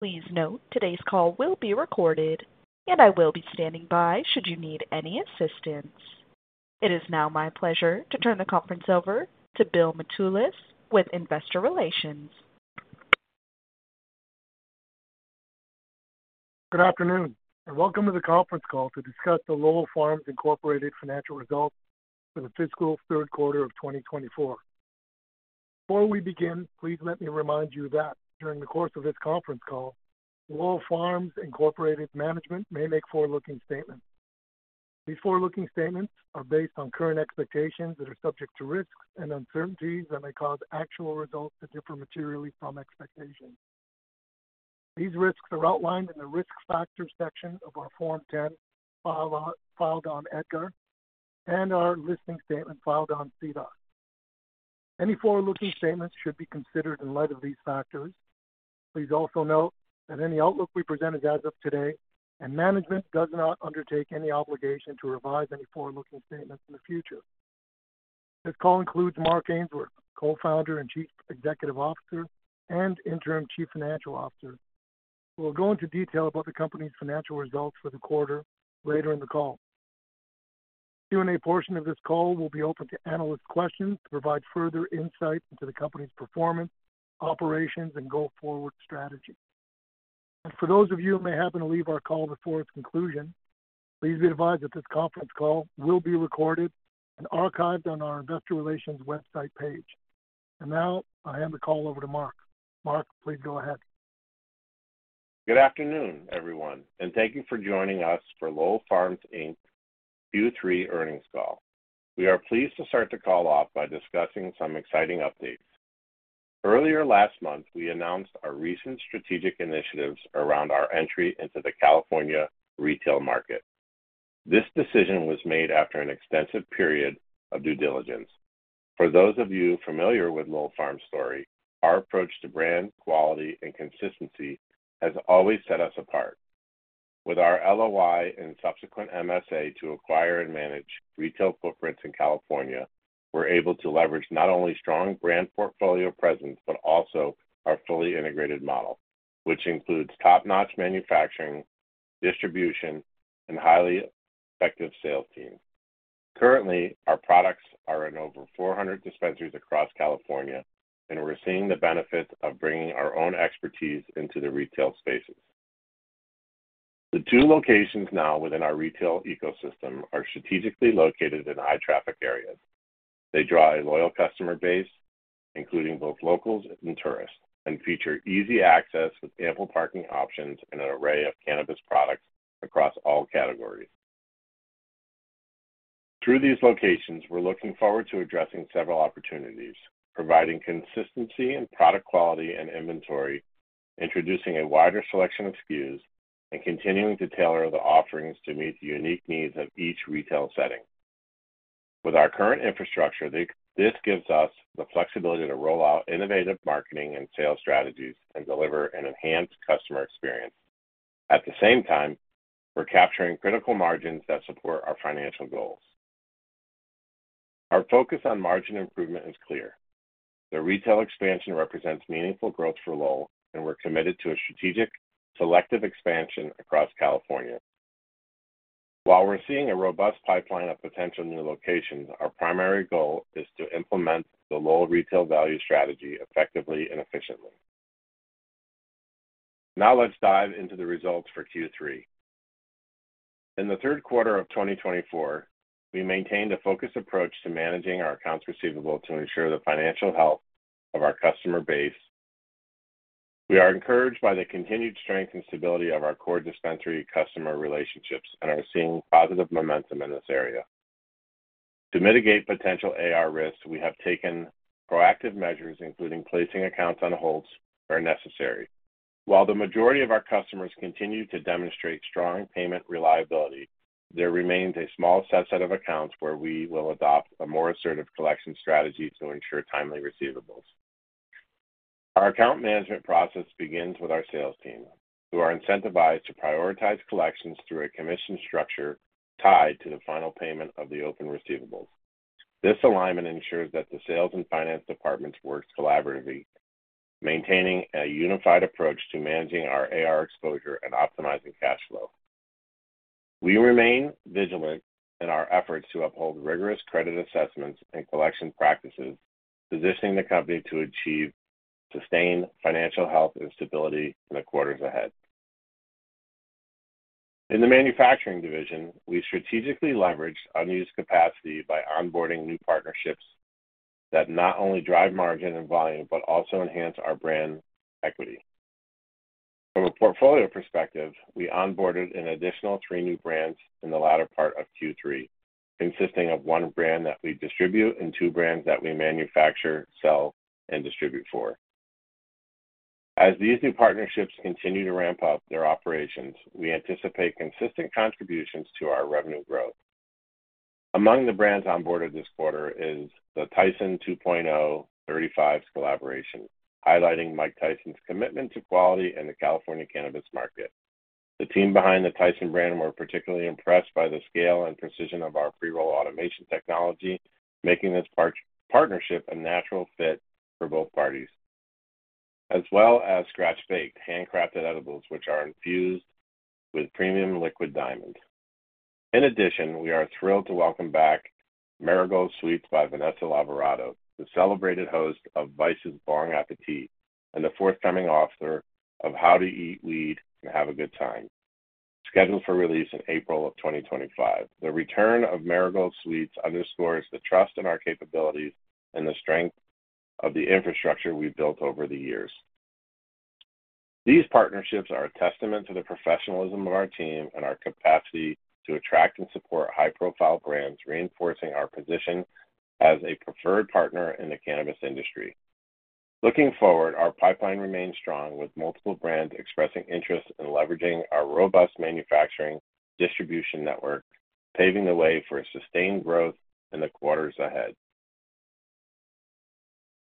Please note, today's call will be recorded, and I will be standing by should you need any assistance. It is now my pleasure to turn the conference over to Bill Mitoulas with Investor Relations. Good afternoon, and welcome to the conference call to discuss the Lowell Farms Incorporated's financial results for the fiscal third quarter of 2024. Before we begin, please let me remind you that during the course of this conference call, Lowell Farms Incorporated's management may make forward-looking statements. These forward-looking statements are based on current expectations that are subject to risks and uncertainties that may cause actual results to differ materially from expectations. These risks are outlined in the risk factor section of our Form 10 filed on EDGAR and our listing statement filed on SEDAR. Any forward-looking statements should be considered in light of these factors. Please also note that any outlook we present as of today, and management does not undertake any obligation to revise any forward-looking statements in the future. This call includes Mark Ainsworth, Co-founder and Chief Executive Officer, and Interim Chief Financial Officer, who will go into detail about the company's financial results for the quarter later in the call. The Q&A portion of this call will be open to analyst questions to provide further insight into the company's performance, operations, and go forward strategy. And for those of you who may happen to leave our call before its conclusion, please be advised that this conference call will be recorded and archived on our Investor Relations website page. And now I hand the call over to Mark. Mark, please go ahead. Good afternoon, everyone, and thank you for joining us for Lowell Farms Inc.'s Q3 earnings call. We are pleased to start the call off by discussing some exciting updates. Earlier last month, we announced our recent strategic initiatives around our entry into the California retail market. This decision was made after an extensive period of due diligence. For those of you familiar with Lowell Farms' story, our approach to brand, quality, and consistency has always set us apart. With our LOI and subsequent MSA to acquire and manage Retail Corporates in California, we're able to leverage not only strong brand portfolio presence but also our fully integrated model, which includes top-notch manufacturing, distribution, and highly effective sales teams. Currently, our products are in over 400 dispensaries across California, and we're seeing the benefits of bringing our own expertise into the retail spaces. The two locations now within our retail ecosystem are strategically located in high-traffic areas. They draw a loyal customer base, including both locals and tourists, and feature easy access with ample parking options and an array of cannabis products across all categories. Through these locations, we're looking forward to addressing several opportunities, providing consistency in product quality and inventory, introducing a wider selection of SKUs, and continuing to tailor the offerings to meet the unique needs of each retail setting. With our current infrastructure, this gives us the flexibility to roll out innovative marketing and sales strategies and deliver an enhanced customer experience. At the same time, we're capturing critical margins that support our financial goals. Our focus on margin improvement is clear. The retail expansion represents meaningful growth for Lowell, and we're committed to a strategic, selective expansion across California. While we're seeing a robust pipeline of potential new locations, our primary goal is to implement the Lowell retail value strategy effectively and efficiently. Now let's dive into the results for Q3. In the third quarter of 2024, we maintained a focused approach to managing our accounts receivable to ensure the financial health of our customer base. We are encouraged by the continued strength and stability of our core dispensary customer relationships and are seeing positive momentum in this area. To mitigate potential AR risks, we have taken proactive measures, including placing accounts on hold where necessary. While the majority of our customers continue to demonstrate strong payment reliability, there remains a small subset of accounts where we will adopt a more assertive collection strategy to ensure timely receivables. Our account management process begins with our sales team, who are incentivized to prioritize collections through a commission structure tied to the final payment of the open receivables. This alignment ensures that the sales and finance departments work collaboratively, maintaining a unified approach to managing our AR exposure and optimizing cash flow. We remain vigilant in our efforts to uphold rigorous credit assessments and collection practices, positioning the company to achieve sustained financial health and stability in the quarters ahead. In the manufacturing division, we strategically leverage unused capacity by onboarding new partnerships that not only drive margin and volume but also enhance our brand equity. From a portfolio perspective, we onboarded an additional three new brands in the latter part of Q3, consisting of one brand that we distribute and two brands that we manufacture, sell, and distribute for. As these new partnerships continue to ramp up their operations, we anticipate consistent contributions to our revenue growth. Among the brands onboarded this quarter is the Tyson 2.0 35's collaboration, highlighting Mike Tyson's commitment to quality in the California cannabis market. The team behind the Tyson brand were particularly impressed by the scale and precision of our pre-roll automation technology, making this partnership a natural fit for b oth parties, as well as scratch-baked, handcrafted edibles, which are infused with premium Liquid Diamonds. In addition, we are thrilled to welcome back Marigold Sweets by Vanessa Lavorato, the celebrated host of Vice's Bong Appétit and the forthcoming author of How to Eat Weed and Have a Good Time, scheduled for release in April of 2025. The return of Marigold Sweets underscores the trust in our capabilities and the strength of the infrastructure we've built over the years. These partnerships are a testament to the professionalism of our team and our capacity to attract and support high-profile brands, reinforcing our position as a preferred partner in the cannabis industry. Looking forward, our pipeline remains strong, with multiple brands expressing interest in leveraging our robust manufacturing distribution network, paving the way for sustained growth in the quarters ahead.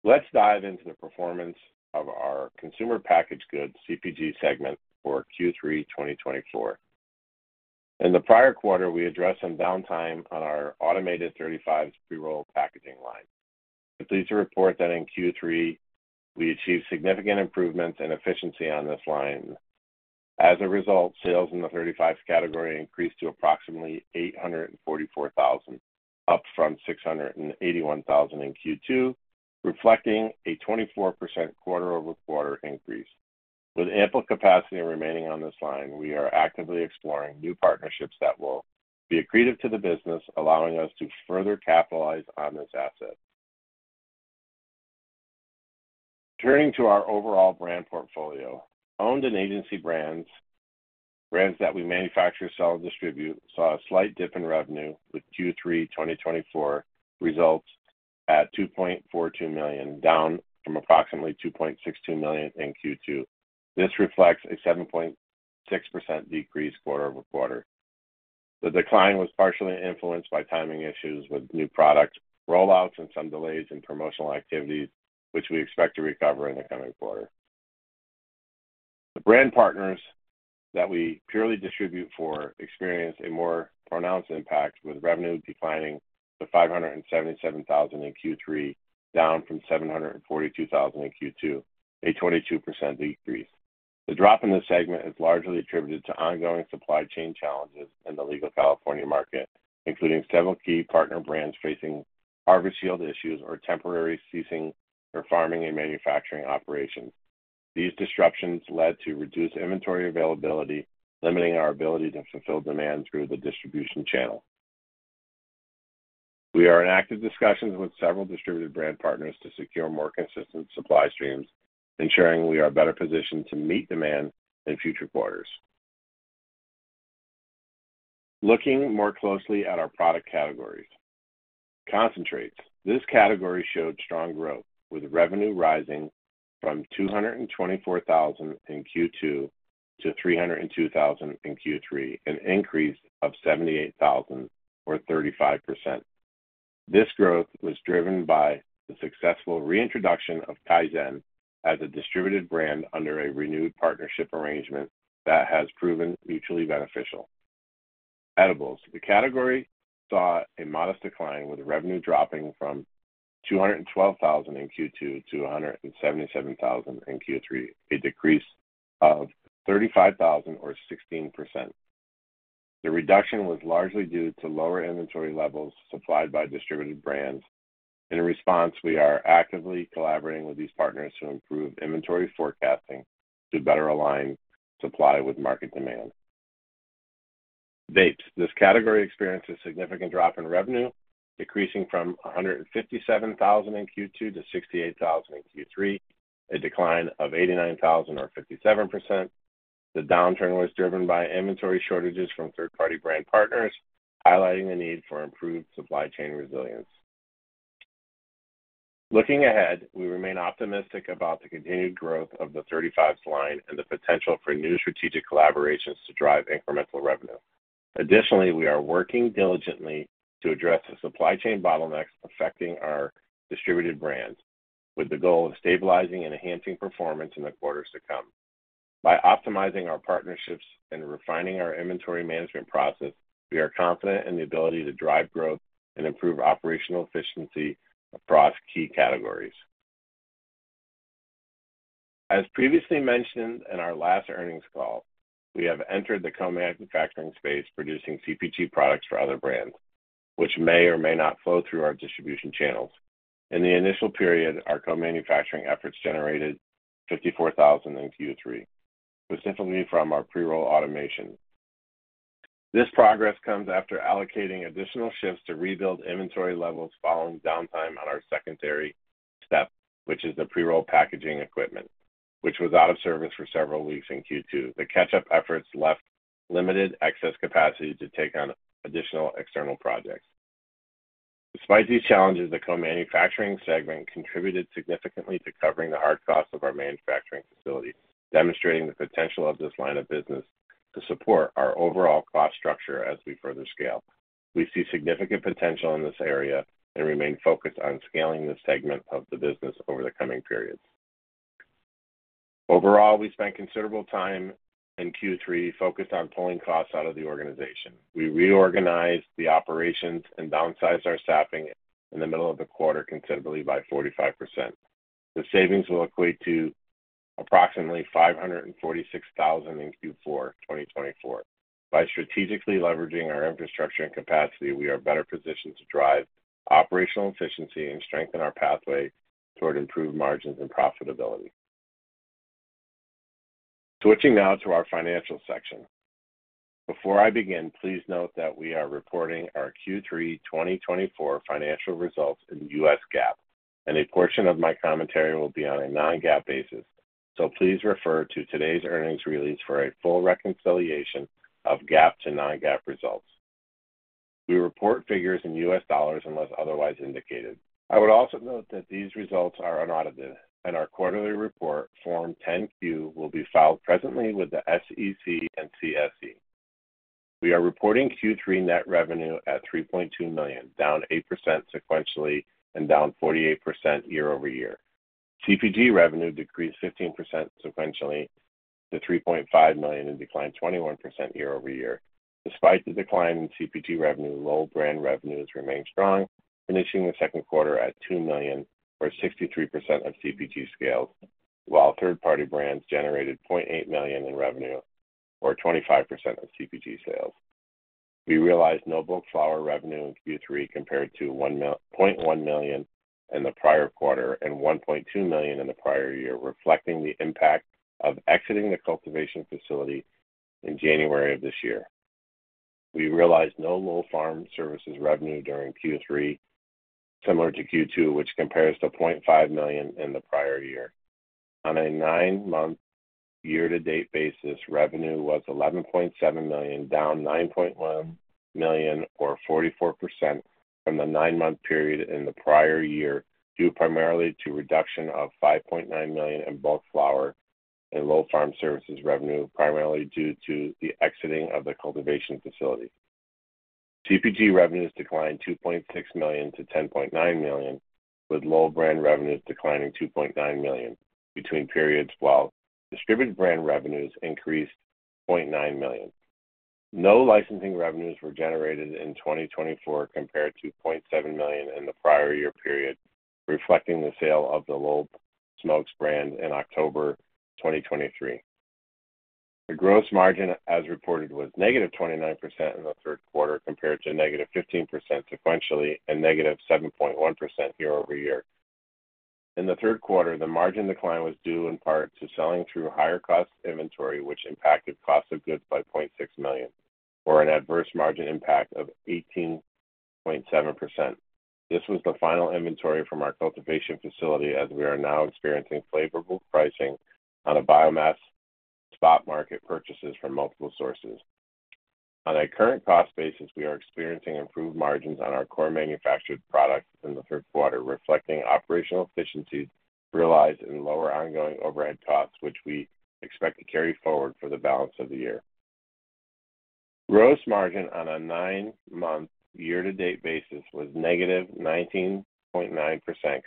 Let's dive into the performance of our consumer packaged goods CPG segment for Q3 2024. In the prior quarter, we addressed some downtime on our automated 35's pre-roll packaging line. I'm pleased to report that in Q3, we achieved significant improvements in efficiency on this line. As a result, sales in the 35's category increased to approximately $844,000, up from $681,000 in Q2, reflecting a 24% quarter-over-quarter increase. With ample capacity remaining on this line, we are actively exploring new partnerships that will be accretive to the business, allowing us to further capitalize on this asset. Turning to our overall brand portfolio, owned and agency brands, brands that we manufacture, sell, and distribute, saw a slight dip in revenue with Q3 2024 results at $2.42 million, down from approximately $2.62 million in Q2. This reflects a 7.6% decrease quarter-over-quarter. The decline was partially influenced by timing issues with new product rollouts and some delays in promotional activities, which we expect to recover in the coming quarter. The brand partners that we purely distribute for experienced a more pronounced impact, with revenue declining to $577,000 in Q3, down from $742,000 in Q2, a 22% decrease. The drop in this segment is largely attributed to ongoing supply chain challenges in the legal California market, including several key partner brands facing harvest yield issues or temporarily ceasing their farming and manufacturing operations. These disruptions led to reduced inventory availability, limiting our ability to fulfill demand through the distribution channel. We are in active discussions with several distributed brand partners to secure more consistent supply streams, ensuring we are better positioned to meet demand in future quarters. Looking more closely at our product categories: concentrates. This category showed strong growth, with revenue rising from $224,000 in Q2 to $302,000 in Q3, an increase of $78,000 or 35%. This growth was driven by the successful reintroduction of Tyson as a distributed brand under a renewed partnership arrangement that has proven mutually beneficial. Edibles. The category saw a modest decline, with revenue dropping from $212,000 in Q2 to $177,000 in Q3, a decrease of $35,000 or 16%. The reduction was largely due to lower inventory levels supplied by distributed brands. In response, we are actively collaborating with these partners to improve inventory forecasting to better align supply with market demand. Vapes. This category experienced a significant drop in revenue, decreasing from $157,000 in Q2 to $68,000 in Q3, a decline of $89,000 or 57%. The downturn was driven by inventory shortages from third-party brand partners, highlighting the need for improved supply chain resilience. Looking ahead, we remain optimistic about the continued growth of the 35's line and the potential for new strategic collaborations to drive incremental revenue. Additionally, we are working diligently to address the supply chain bottlenecks affecting our distributed brands, with the goal of stabilizing and enhancing performance in the quarters to come. By optimizing our partnerships and refining our inventory management process, we are confident in the ability to drive growth and improve operational efficiency across key categories. As previously mentioned in our last earnings call, we have entered the co-manufacturing space, producing CPG products for other brands, which may or may not flow through our distribution channels. In the initial period, our co-manufacturing efforts generated $54,000 in Q3, specifically from our pre-roll automation. This progress comes after allocating additional shifts to rebuild inventory levels following downtime on our secondary step, which is the pre-roll packaging equipment, which was out of service for several weeks in Q2. The catch-up efforts left limited excess capacity to take on additional external projects. Despite these challenges, the co-manufacturing segment contributed significantly to covering the hard costs of our manufacturing facility, demonstrating the potential of this line of business to support our overall cost structure as we further scale. We see significant potential in this area and remain focused on scaling this segment of the business over the coming periods. Overall, we spent considerable time in Q3 focused on pulling costs out of the organization. We reorganized the operations and downsized our staffing in the middle of the quarter considerably by 45%. The savings will equate to approximately $546,000 in Q4 2024. By strategically leveraging our infrastructure and capacity, we are better positioned to drive operational efficiency and strengthen our pathway toward improved margins and profitability. Switching now to our financial section. Before I begin, please note that we are reporting our Q3 2024 financial results in U.S. GAAP, and a portion of my commentary will be on a non-GAAP basis, so please refer to today's earnings release for a full reconciliation of GAAP to non-GAAP results. We report figures in U.S. dollars unless otherwise indicated. I would also note that these results are unaudited, and our quarterly report, Form 10-Q, will be filed presently with the SEC and CSE. We are reporting Q3 net revenue at $3.2 million, down 8% sequentially and down 48% year-over-year. CPG revenue decreased 15% sequentially to $3.5 million and declined 21% year-over-year. Despite the decline in CPG revenue, Lowell brand revenues remained strong, finishing the second quarter at $2 million or 63% of CPG sales, while third-party brands generated $0.8 million in revenue or 25% of CPG sales. We realized no bulk flower revenue in Q3 compared to $0.1 million in the prior quarter and $1.2 million in the prior year, reflecting the impact of exiting the cultivation facility in January of this year. We realized no Lowell Farm Services revenue during Q3, similar to Q2, which compares to $0.5 million in the prior year. On a nine-month year-to-date basis, revenue was $11.7 million, down $9.1 million or 44% from the nine-month period in the prior year, due primarily to reduction of $5.9 million in bulk flower and Lowell Farm Services revenue, primarily due to the exiting of the cultivation facility. CPG revenues declined $2.6 million-$10.9 million, with Lowell brand revenues declining $2.9 million between periods, while distributed brand revenues increased $0.9 million. No licensing revenues were generated in 2024 compared to $0.7 million in the prior year period, reflecting the sale of the Lowell Smokes brand in October 2023. The gross margin, as reported, was -29% in the third quarter compared to -15% sequentially and -7.1% year-over-year. In the third quarter, the margin decline was due in part to selling through higher cost inventory, which impacted cost of goods by $0.6 million, for an adverse margin impact of 18.7%. This was the final inventory from our cultivation facility, as we are now experiencing favorable pricing on a biomass spot market purchases from multiple sources. On a current cost basis, we are experiencing improved margins on our core manufactured products in the third quarter, reflecting operational efficiencies realized in lower ongoing overhead costs, which we expect to carry forward for the balance of the year. Gross margin on a nine-month year-to-date basis was -19.9%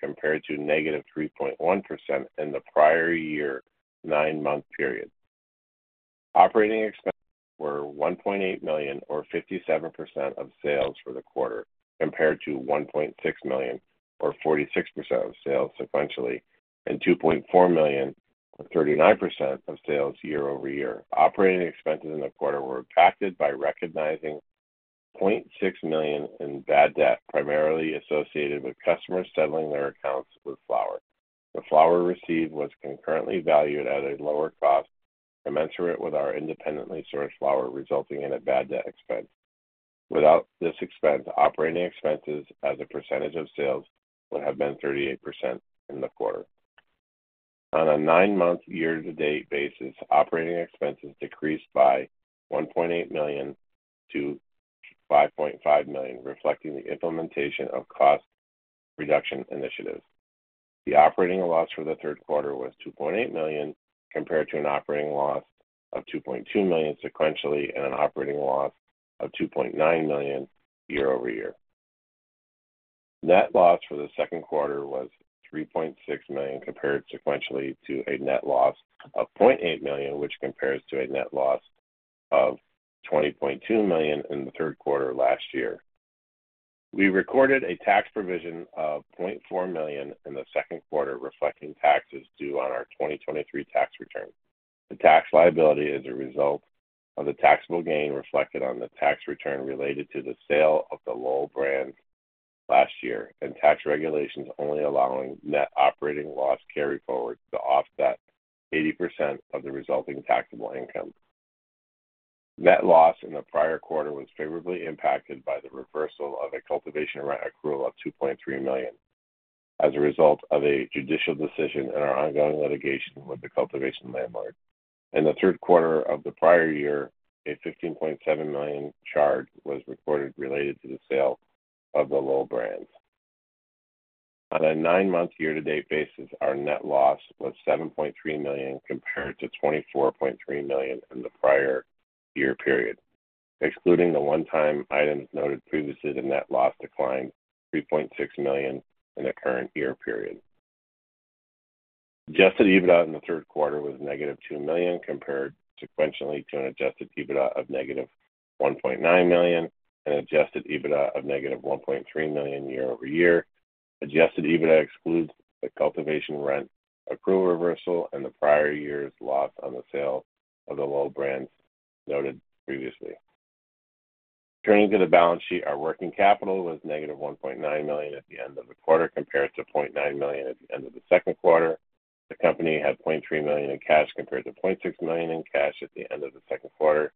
compared to -3.1% in the prior year nine-month period. Operating expenses were $1.8 million or 57% of sales for the quarter, compared to $1.6 million or 46% of sales sequentially and $2.4 million or 39% of sales year-over-year. Operating expenses in the quarter were impacted by recognizing $0.6 million in bad debt, primarily associated with customers settling their accounts with flower. The flower received was concurrently valued at a lower cost commensurate with our independently sourced flower, resulting in a bad debt expense. Without this expense, operating expenses as a percentage of sales would have been 38% in the quarter. On a nine-month year-to-date basis, operating expenses decreased by $1.8 million-$5.5 million, reflecting the implementation of cost reduction initiatives. The operating loss for the third quarter was $2.8 million compared to an operating loss of $2.2 million sequentially and an operating loss of $2.9 million year-over-year. Net loss for the second quarter was $3.6 million compared sequentially to a net loss of $0.8 million, which compares to a net loss of $20.2 million in the third quarter last year. We recorded a tax provision of $0.4 million in the second quarter, reflecting taxes due on our 2023 tax return. The tax liability is a result of the taxable gain reflected on the tax return related to the sale of the Lowell brand last year, and tax regulations only allowing net operating loss carryforwards to offset 80% of the resulting taxable income. Net loss in the prior quarter was favorably impacted by the reversal of a cultivation rent accrual of $2.3 million as a result of a judicial decision in our ongoing litigation with the cultivation landlord. In the third quarter of the prior year, a $15.7 million charge was recorded related to the sale of the Lowell brand. On a nine-month year-to-date basis, our net loss was $7.3 million compared to $24.3 million in the prior year period. Excluding the one-time items noted previously, the net loss declined $3.6 million in the current year period. Adjusted EBITDA in the third quarter was -$2 million compared sequentially to an adjusted EBITDA of -$1.9 million and adjusted EBITDA of -$1.3 million year-over-year. Adjusted EBITDA excludes the cultivation rent accrual reversal and the prior year's loss on the sale of the Lowell brands noted previously. Returning to the balance sheet, our working capital was -$1.9 million at the end of the quarter compared to $0.9 million at the end of the second quarter. The company had $0.3 million in cash compared to $0.6 million in cash at the end of the second quarter.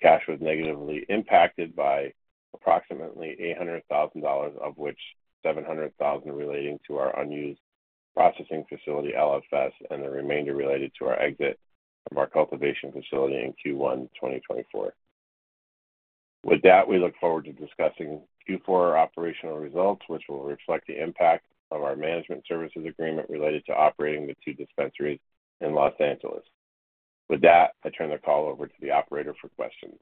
Cash was negatively impacted by approximately $800,000, of which $700,000 relating to our unused processing facility, LFS, and the remainder related to our exit from our cultivation facility in Q1 2024. With that, we look forward to discussing Q4 operational results, which will reflect the impact of our management services agreement related to operating the two dispensaries in Los Angeles. With that, I turn the call over to the operator for questions.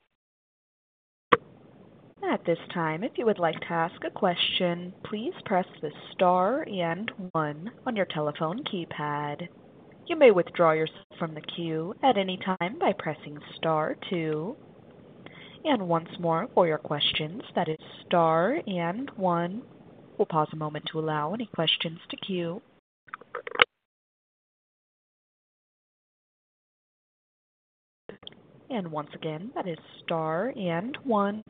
At this time, if you would like to ask a question, please press the Star and one on your telephone keypad. You may withdraw yourself from the queue at any time by pressing Star two. And once more, for your questions, that is Star and one. We'll pause a moment to allow any questions to queue. And once again, that is Star and one.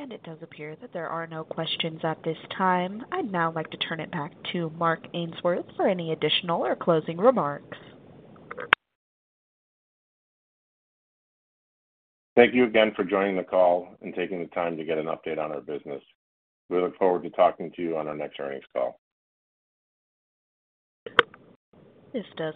And it does appear that there are no questions at this time. I'd now like to turn it back to Mark Ainsworth for any additional or closing remarks. Thank you again for joining the call and taking the time to get an update on our business. We look forward to talking to you on our next earnings call. This does.